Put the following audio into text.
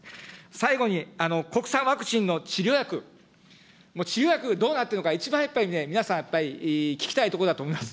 最後に国産ワクチンの治療薬、もう治療薬、どうなってるのか、一番やっぱりね、皆さんやっぱり聞きたいところだと思います。